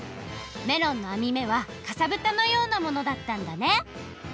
メロンのあみ目はかさぶたのようなものだったんだね！